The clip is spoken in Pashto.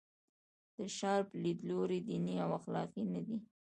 د شارپ لیدلوری دیني او اخلاقي نه دی.